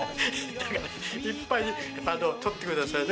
だから、いっぱい取ってくださいね。